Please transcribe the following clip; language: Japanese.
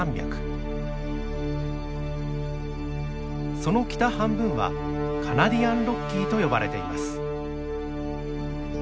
その北半分はカナディアンロッキーと呼ばれています。